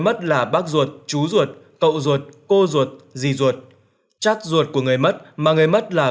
mất là bác ruột chú ruột cậu ruột cô ruột dì ruột trác ruột của người mất mà người mất là